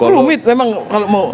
rumit memang kalau mau